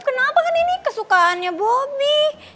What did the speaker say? kenapa kan ini kesukaannya bobi